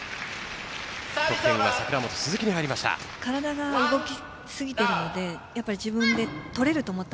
得点は櫻本・鈴木に入りました。